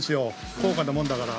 高価なものだから。